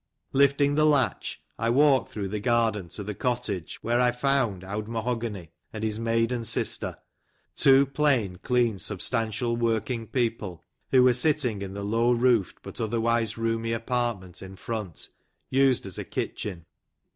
Lifting the latch, I walked through the garden to the cottage where I found " Owd Maho gany" and his maiden sister, two plain, clean, substantial working people, who were sitting in the low roofed, but other wise roomy apartment in front, used as a kitchen.